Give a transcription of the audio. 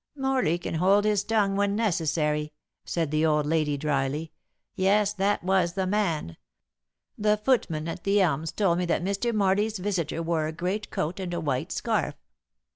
"Morley can hold his tongue when necessary," said the old lady dryly. "Yes, that was the man. The footman at The Elms told me that Mr. Morley's visitor wore a great coat and a white scarf."